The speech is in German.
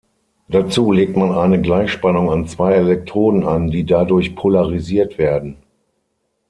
Dazu legt man eine Gleichspannung an zwei Elektroden an, die dadurch polarisiert werden.